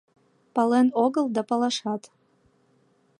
Пален огыл да палашат